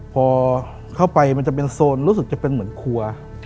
พอเข้าไปมันจะเป็นโซนรู้สึกจะเป็นเหมือนครัว